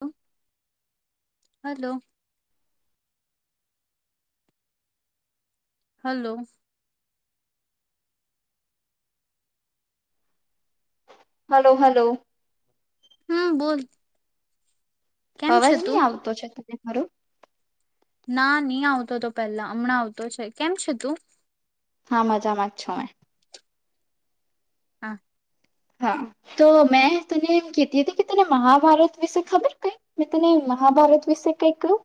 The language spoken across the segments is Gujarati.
હમ. હલો. હલો. Hello hello. હમ બોલ. કેમ છે અવાજ નહી તું આવતો છે તને મારો. ના નહી આવતો તો પેલા હમણાં આવતો છે કેમ છે તું? હા મજા માજ છોય. હા. હા તો મેં તને એમ કીતી હતી કે તને મહાભારત વિશે ખબર કઈ મેં તને મહાભારત વિશે કઈ કું?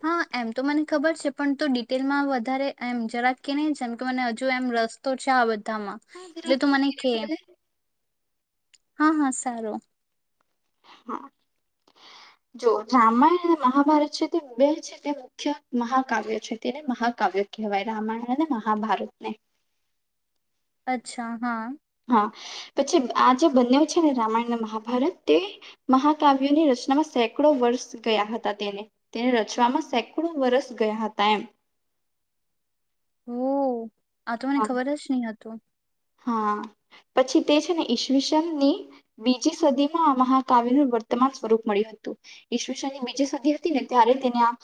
હા એમ તો મને ખબર છે પણ ત ડિટેલમાં વધારે એમ જરાક કે નહી જેમ કે મને હજુ એમ રસ્તો છે આ બધ હા એટલે જરાક તો તું મને ધીરે કે બોલે હા હા સારું. હા. જો રામાયણ અને મહાભારત છે તે બે છે તે મુખ્ય મહાકાવ્યો છે તેને મહાકાવ્યો કહેવાય રામાયણ અને મહાભારતને. અચ્છા હા. હા પછી આ જે બને છે ને રામાયણ મહાભારત તે મહાકાવ્યોની રચનામાં સેંકડો વર્ષ ગયા હતા તેને તેને રચમાં સેકડો વર્ષ ગયા હતા એમ. ઓ આ તો મને હા ખબર જ નહી હતું. હા પછી તે છે ને ઈસવીસન ની બીજી સદીમાં આ મહાકાવ્યનું વર્તમાન સ્વરૂપ મળ્યું હતું ઈસવીશનની બીજી સદી હતી ને ત્યારે તેને આ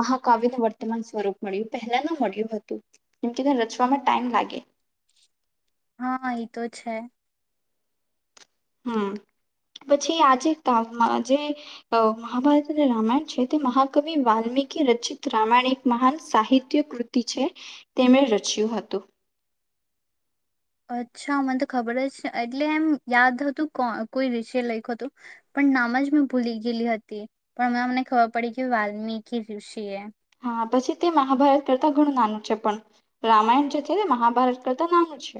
મહાકાવ્યનું વર્તમાન સ્વરૂપ મળ્યું પહેલાનું મળ્યું હતું જેમકે તેને રચવામાં ટાઈમ લાગે. હા એ તો છે. હમ પછી આજે જે મહાભારત અને રામાયણ છે તે મહાકવિ વાલ્મીકી રચિત રામાયણ એક મહાન સાહિત્ય કૃતિ છે તેમણે રચ્યું હતું. અચ્છા મને તો ખબર જ એટલે એમ યાદ હતું કો કોઈ ઋષિએ લખ્યું હતું પણ નામ જ મેં ભૂલી ગયેલી હતી પણ અ મમને ખબર પડી કે વાલ્મીકી ઋષિએ. હા પછી તે મહાભારત કરતા ઘણું નાનું છે પણ રામાયણ જે છે તે મહાભારત કરતા નાનું છે.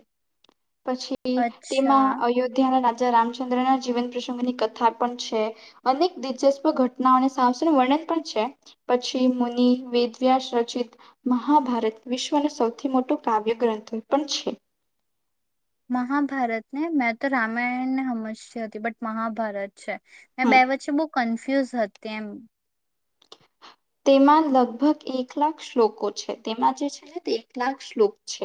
પછી તેમાં અચ્છા અયોધ્યા ના રાજ રામચંદ્ર જીવન પ્રસંગની કથા પણ છે અને દિલચસ્પ ઘટના અને સાસનું વર્ણન પણ છે પછી. વેદ વ્યાસ રચિત મહાભારત વિશ્વનો સૌથી મોટું કાવ્ય ગ્રંથ પણ છે. મહાભારત ને મેં તો રામાયણને સમજતી હતી બટ મહાભારત છે મે બે હમ વચ્ચે બહુ ક ફ્યુઝ હતી તેમ. તેમાં લગભગ એક લાખ શ્લોકો છે તેમાં જે છે તે એક લાખ શ્લોક છે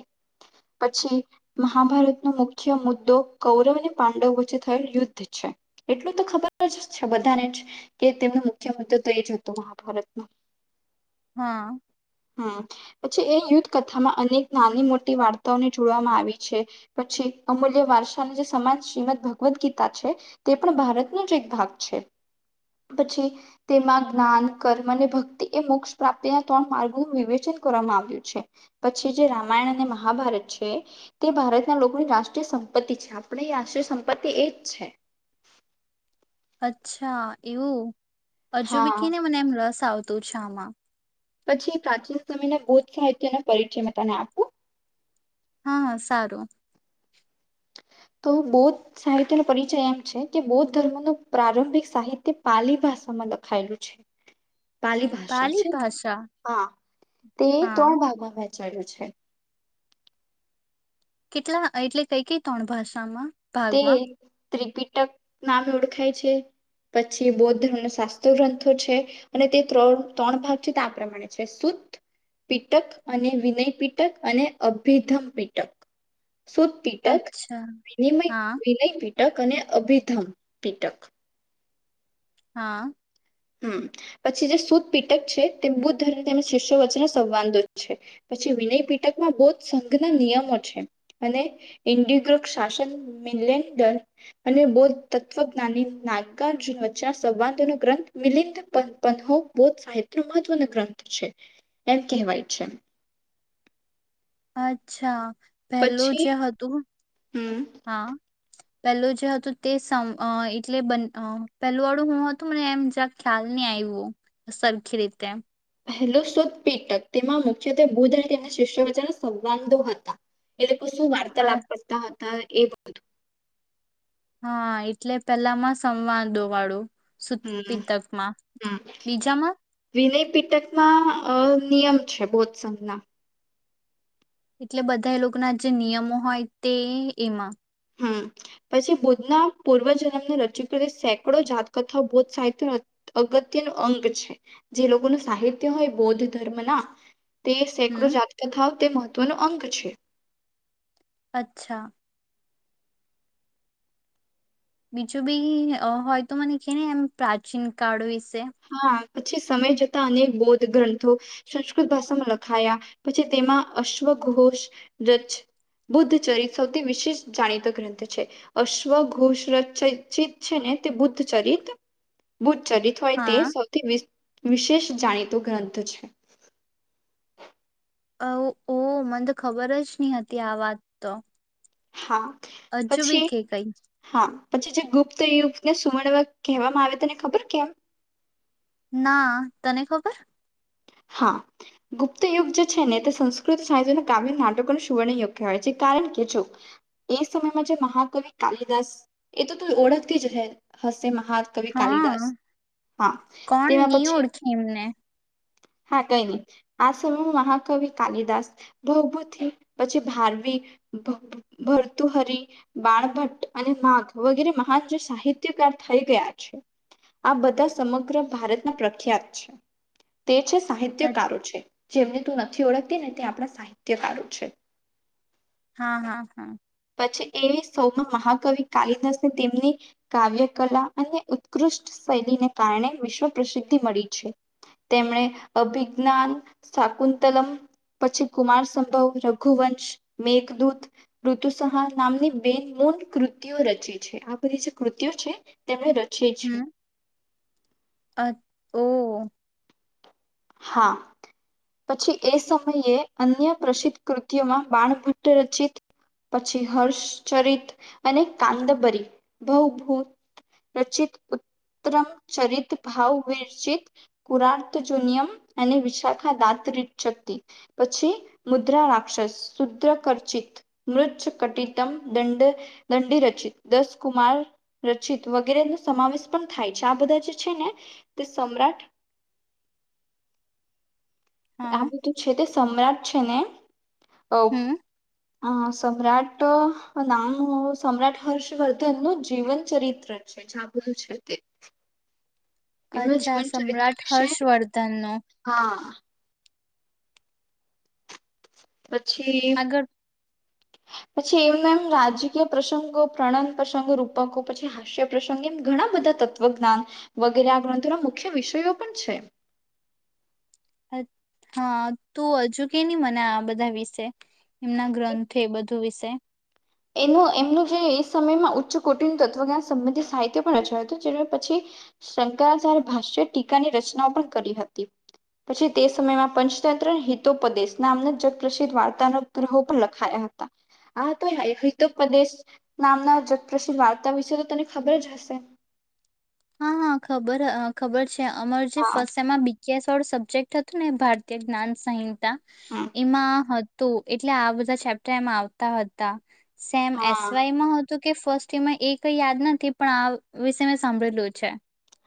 પછી મહાભારતનો મુખ્ય મુદ્દો કૌરવ અને પાંડવ વચ્ચે થયેલ યુદ્ધ છે એટલું તો ખબર જ છે બધાને જ કે તેમનો મુખ્ય મુદ્દો તો એ જ હતો મહાભારત. [inaudible] હા. હમ પછી એ યુદ્ધ કથા અનેક નાની મોટી વાર્તાઓ ને જોડવામાં આવી છે, પછી અમૂલ્ય વરસની ની સમાજ ભગવત ગીતા છે, તે પણ ભારતનો જ એક ભાગ છે પછી ભારતનું એક ભાગ છે, પછી તેમાં જ્ઞાન કર મને ભક્તિ એ મોક્ષ પ્રાપ્તિના ત્રણ માર્ગોનું વિવેચન કરવામાં આવ્યું છે, પછી જે રામાયણ અને મહાભારત છે તે ભારતના લોકોની રાષ્ટ્રીય સંપતિ છે, આપણે રાષ્ટ્રીય સંપત્તિ એ જ છે. અચ્છા એવું. હજુ બી હા કીને મને એમ રસ આવતું [unintelligible] પછી પ્રાચીન સમયના [unintelligible] સાહિત્ય ન પરિચય મે તને આપું. હા હ સારું. તો બૌદ્ધ સાહિત્યનો પરિચય એમ છે, કે બૌદ્ધ ધર્મ ન પ્રારંભિક સાહિત્ય પાલી ભાષામાં લખાયેલું છે. પાલી ભાષા છે, ને હા તે હા ત્રણ ભાગમાં છે. કેટલા એટલે કઈ કઈ ત્રણ ભાષામાં. ભાગમાં. તિપીટક નામે ઓળખાય છે, પછી બૌદ્ધ ધર્મ ન શાસ્ત્ર ગ્રંથો છે અને તે ત્ર ત્રણ ભાગ છે, તે પ્રમાણે છે સુુત પીટક અને વિનય પિટક અને અભિધમ પીટક. સુદપીટક અચ્છા વિનિમય હા વિનાય પીઠ ટક અને અભિધમ પીટક. હા. હ પછી જે [unintelligible] પીટક છે, તે બૌદ્ધ ધર્મ તેમજ શિષ્યો વચ્ચેના સંવાદો છે, પછી વિનય પીટકમાં બૌદ્ધ સંઘના નિયમો છે અને [unintelligible] શાસન મિ અને બૌદ્ધ તત્વજ્ઞાની નાગાર્જુન વચ્ચેના સંવાદોનો ગ્રંથ મિલિંદ [unintelligible] સાહિત્ય મહત્વનો ગ્રંથ છે, એમ કહેવાય છે. અચ્છા. પેલું પછી જે હતું હમ હા. પેલું જે હતું તે સમ એટલે [unintelligible] પેલું વાળું હું હતું મને એમ જ્યા ખ્યાલ નહી આવ્યું સરખી રીતે. પહેલો સુ પીટક તેમાં મુખ્યત્વે બુદ્ધ અને તેમના શિષ્ય વચ્ચેના સંબંધો હતા, એટ [unintelligible] શું અ વાર્તા [unintelligible] [unintelligible] હા એટલે પેલા માં સંવાદો વાળું. હમ્મ સુતપિતકમાં હમ્મ બીજામાં વિનય. પીટકમાં અ નિયમ છે, બોધ સંજના એટલે બધા એ લોકો ના જે નિયમો હોય તે એમાં હમ પછી બૌદ્ધના પૂર્વજન્મને રજૂ કરી સેંકડો જાતકથા બોદ્ધ સાહિત્ય અગત્ય નો અંગ છે, જે લોકોનું સાહિત્ય હોય બૌદ્ધ ધર્મ ના તે સેંકડો હમ જાતકથા તે મહત્વનો અંક છે. અચ્છા બીજ બી હો તો મને કેને એમ પ્રાચીન કાળ વિશે. હા પછી સમય જતા અનેક બૌદ્ધ ગ્રંથો સંસ્કૃત ભાષામાં લખાયા પછી તેમાં અશ્વઘોષ રચ બુદ્ધચરિત સૌથી વિશેિષ જાણીતો ગ્રંથ છે, અશ્વઘોષ રચચિત છે, ને તે બુદ્ધ ચરિત બુદ્ધચરિત. તે હા સૌથી વિશ વિશેષ જાણીતો ગ્રંથ છે. અ ઓ મને તો ખબર જ નહી હતી આ વાત તો. હા હજુ બી પછી કે કઈ હા. પછી જે ગુપ્ત યુગ ને સુવર્ણ વર્ગ કહેવામાં આવે તને ખબર કેમ ના તને ખબર હા ગુપ્ત યુગ જે છે ને તે સંસ્કૃત સાહિત્યના કાવ્ય નાટકો ન સુવર્ણ યુગ કહેવાય છે કારણ કે જો એ સમયમાં જે મહાકવિ કાલિદાસ એ તો તું ઓળખતી જ અહે હસ છે મહા કવિ કાલિદાસ હા હા કોણ તેના ની પછી ઓળખી એમને હા કઈ ની આ સમયમાં મહાકવિ કાલિદાસ ભૌભુથી પછી ભારવી ભર ભરતુહરી બાળભટ્ટ અને માઘ વગેરે મહાન જે સાહિત્યકાર થઈ ગયા છે આ બધા સમગ્ર ભારતના પ્રખ્યાત છે. તે છે અ- સાહિત્યકારો છે જેમને તું નથી ઓળખતી ને તે આપડા સાહિત્યકારો છે. હા હા હા પછી એવી સૌમાં મહાકવિ કાલિદાસ નો તેમની કાવ્ય કલા અને ઉત્કૃષ્ટ શૈલીને કારણે વિશ્વ પ્રસિદ્ધિ મળી છે તેમણે અભિજ્ઞાન શાકુંતલમ પછી કુમાર સંભવ રઘુવંશ મેઘદૂત રુ ઋતુસંહાર નામની બેન મૂન કૃતિઓ રચી છે આ બધી જે કૃતિઓ છે તેમને ર હમ અ ઓ હા પછી એ સમયે અન્ય પ્રસિદ્ધ કૃતઓમાં બાણ ભટ્ટ રચિત પછી હર્ષચરિત અને કાદંબરી ભૌભૂત રચિત ઉત્તમ ચરિત ભાવ વિરચિત કુરારત જુનયમ અને વિશાખા દાંતરી શક્તિ પછી મુદ્રા રાક્ષસ શુદ્ર કરચિત મૃજ કટિતમ દંડ દંડી રચિત દસ કુમાર રચિત વગેરે નો સમાવેશ પણ થાય છે આ બધા જે છે ને તે સમ્રાટ હા આ બધું છે તે સમ્રાટ છે ને ઓવ હમ હા સમ્રાટ નામ હો સમ્રાટ હર્ષવર્ધન નું જીવન ચરિત્ર છે જા બધું છે તે. એમનું અચ્છા જીવન ચરિત્ર સમ્રાટ વિશે હર્ષવર્ધન નું. હા પછી આગળ પછી એમના એમ રાજકીય પ્રસંગો પ્રણન પ્રસંગો રૂપકો પછી હાસ્ય પ્રસંગ એમ ઘણા બધા તત્વજ્ઞાન વગેરે આ ગ્રંથોના મુખ્ય વિષયો પણ છે. હા તું હજુ કે ની મને આ બધા વિશે એમના ગ્રંથે બધું વિશે. એમનુ એમનું જે સમયમાં ઉચ્ચ કોટિર તત્વજ્ઞાન સંબંધિત સાહિત્ય પણ રચાયું હતું જેનું પછી શંકરાચાર્ય ભાષ્ય ટીકાની રચના પણ કરી હતી પછી તે સમયમાં પંચતંત્ર હિતોપદેશ નામનું જગ પ્રસિદ્ધ વાર્તાના ગ્રહો પણ લખાયા હતા આ હતો હિતોપદેશ નામના જગપ્રસિદ્ધ વાર્તા વિશે તો તને ખબર જ હશે. હા હા ખબર અ ખબર. છે અમારે જે હા ફર્સ્ટ સેમ માં બી જા સવાળું સબ્જેક્ટ હતું ને ભારતીય જ્ઞાન સાયન. તા હમ એમાં હ તો એટલે બધા ચેપ્ટર એમાં આવતા હતા. સેમ એસ હા વાય માં હતું. કે ફર્સ્ટ ટે માં એ કઈ યાદ નથી પણ આ વિષ મેં સાંભળેલું. છે.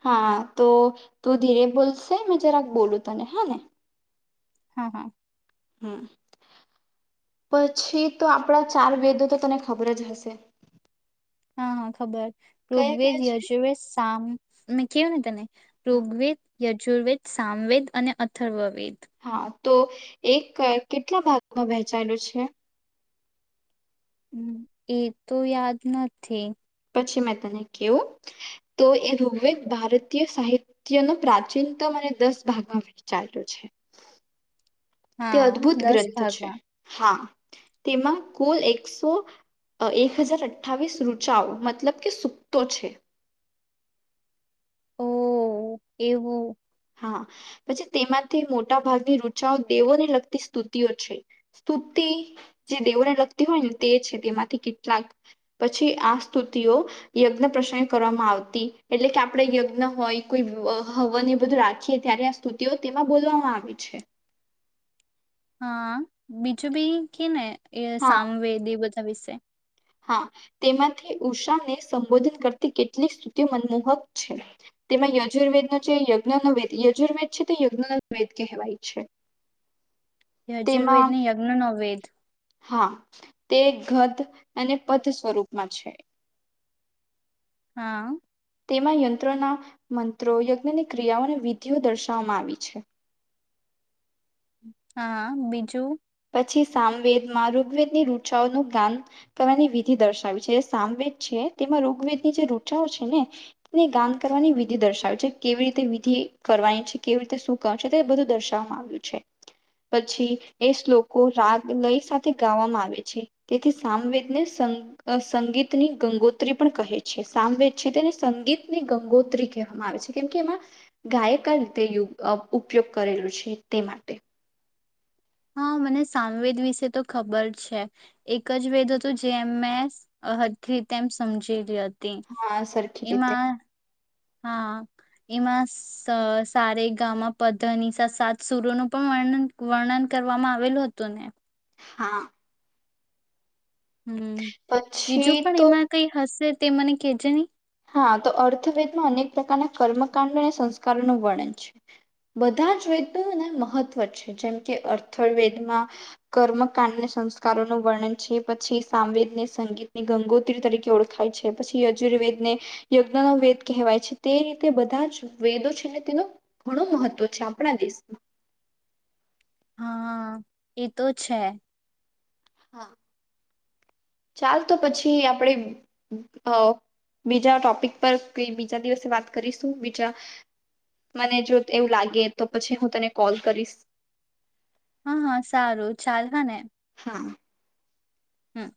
હા તો તું ધીરે બોલશે મેં જરાક બોલું તને હા ને. હા હા. હમ પછી તો આપડા ચાર વેદો તો તને ખબર જ હશે. હા હા ખબર. કયા ઋગ્વેદ, કયા છે યસવેસ સામ મને કેવ ન તને હા ઋગ્વેદ યજુર્વેદ સામવેદ અને અથર્વવેદ હા તો એક કેટલા ભાગમાં વહેંચાયેલું છે. હ એતો યાદ નથી પછી મેં તને કેવ તો એ રૂગવેદ ભારતીય સાહિત્ય ન પ્રાચીન તો અને દસ ભાગમાં વિચાર્યો છે. તે હા અદ્ભુત દસ ગ્રંથ છે ભાગમાં હા તેમાં કુલ એકસો એક હજાર અઠાવીસ રુચાઓ મતલબ કે સુક્તો છે. ઓ એવું હા પછી તેમાંથી મોટા ભાગની રુચાઓ દેવોને લગતી સ્તુતિઓ છે સ્તુતિ જે દેવોને લગતી હોય ને તે છે તેમાંથી કેટલાક પછી આ સ્તુતિઓ યજ્ઞ પ્રસંગ કરવામાં આવતી એટલે કે આપણે યજ્ઞ હોય કોઈ હવને બધું રાખીએ ત્યારે આ સ્તુતિઓ તેમાં બોલવામાં આવે છે. હા બીજું બી કે ને એ હા સામવેદી બ વિશે હા તેમાંથી ઉષાને સંબોધન કરતી કેટલીક સ્તુતિ મનમોહક છે તેમાં યજુર્વેદનો છે યજ્ઞ ન વેદ યજુર્વેદ છે તે યજ્ઞ વેદ કહેવાય છે. તેમાં યજુર્વેદને યજ્ઞ ન વેદ હા તે ઘદ અને પદ સ્વરૂપમાં છે. હા તેમાં યંત્રોના મંત્રો યજ્ઞની ક્રિયાઓ અને વિધિઓ દર્શાવવામાં આવી છે. હા બીજું પછી સામવેદ માં ઋગ્વેદ ની રુચાઓનું ગાન કરવાની વિધિ દર્શાવી છે સામવેદ છે તેમાં ઋગ્વેદની જે રૂચાઓ છે ને તેને ગાન કરવાની વિધિ દર્શાવી છે કેવી રીતે વિધિ કરવાની છે કેવી રીતે શું કરવા છે બધું દર્શાવવામાં આવ્યું છે પછી એ શ્લોકો રાગ લય સાથે ગાવામાં આવે છે તેથી સામવેદને સ સંગીતની ગંગોત્રી પણ કહે છે સામવેદ છે તેને સંગીતની ગંગોત્રી કહેવામાં આવે છે કેમ કે એમાં ગાયકા રીતે અ ઉપયોગ કરેલું છે તે માટે હા મને સામવેદ વિશે તો ખબર છે એક જ વેદ હતો જેમ મેં હદ રીતે એમ સમજીલી હ તી હા સરખી રીતે એમાં હા એમાં સ સારેગામાં પધની સા સાત સુરોનું પણ વર્ણન વર્ણન કરવામાં આવેલું હતું ને હા હમ બીજું પછી પણ તો એમાં કઈ હશે તે મને કેજ ન હા તો અર્થવેદમાં અનેક પ્રકારના કર્મકાંડ અને સંસ્કારોનું વર્ણન છે બધા જ વેદના મહત્વ છે જેમ કે અર્થવેદમાં કર્મકાંડને સંસ્કારોનું વર્ણન છે પછી સામવેદને સંગીતની ગંગોત્રી તરીકે ઓળખાય છે પછી યજુર્વેદ ને યજ્ઞ નો વેદ કહેવાય છે તે રીતે બધા જ વેદો છે ને તેનો ઘણો મહત્ત્વ છે આપણા દેશમાં હા એ તો છે. હા ચાલ તો પછી આપણે બીજા ટોપિક પર કઈ બીજા દિવસે વાત કરીશું બીજા મને જો એવું લાગે તો પછી હું તને કોલ કરીશ હા હા સારું ચાલ હા ને હા હમ